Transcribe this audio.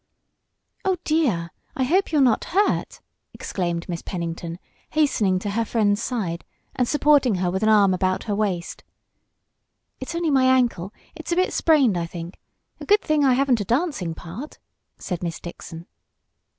"Oh, dear, I hope you're not hurt!" exclaimed Miss Pennington, hastening to her friend's side, and supporting her with an arm about her waist. "It's only my ankle; it's a bit sprained, I think. A good thing I haven't a dancing part," said Miss Dixon.